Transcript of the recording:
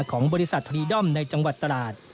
ของบริษัททรีดอมในจังหวัดตลาด